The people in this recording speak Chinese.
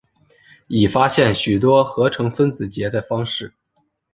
已发现许多合成分子结的方式。